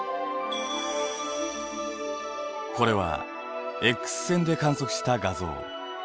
これはＸ線で観測した画像。